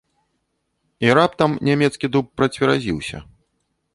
І раптам нямецкі дуб працверазіўся.